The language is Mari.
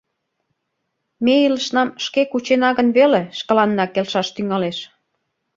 Ме илышнам шке кучена гын веле шкаланна келшаш тӱҥалеш.